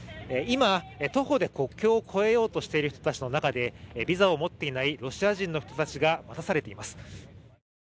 今、徒歩で国境を越えようとしている人たちの中でビザを持っていないロシア人の人たちが待たされています。